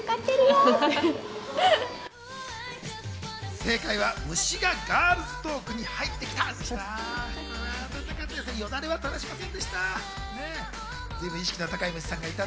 正解は虫がガールズトークに入ってきた。